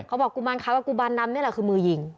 เขาบอกกุมารขาวกุมารดำนี่แหละคือมือยิง